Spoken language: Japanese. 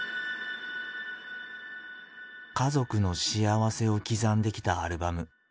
家族の幸せを刻んできたアルバム。